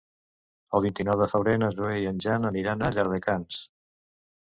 El vint-i-nou de febrer na Zoè i en Jan aniran a Llardecans.